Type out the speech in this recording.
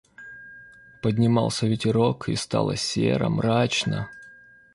Поднимался ветерок, и стало серо, мрачно.